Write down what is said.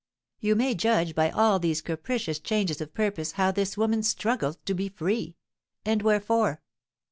You may judge by all these capricious changes of purpose how this woman struggles to be free. And wherefore?